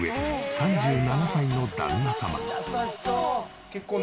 ３７歳の旦那様。